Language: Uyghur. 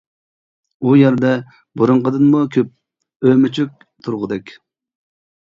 ئۇ يەردە بۇرۇنقىدىنمۇ كۆپ ئۆمۈچۈك تۇرغۇدەك.